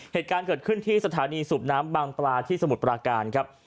เหตุการณ์เกิดขึ้นที่สถานีสูบน้ำบางปลาที่สมุทรปราการครับ